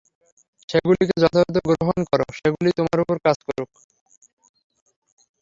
সেগুলিকে যথাযথ গ্রহণ কর, সেগুলি তোমার উপর কাজ করুক।